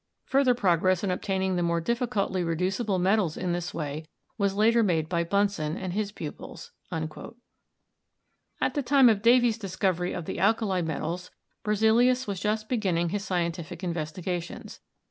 Further progress in obtaining the more difficultly reducible metals in this way was later made by Bunsen and his pupils:" At the time of Davy's discovery of the alkali metals Berzelius was just beginning his scientific investigations.